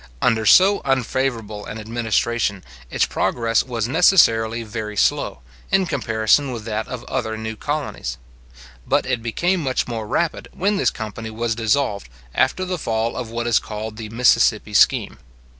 Under so unfavourable an administration, its progress was necessarily very slow, in comparison with that of other new colonies; but it became much more rapid when this company was dissolved, after the fall of what is called the Mississippi scheme.